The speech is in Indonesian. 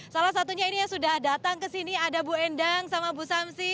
salah satunya ini yang sudah datang ke sini ada bu endang sama bu samsi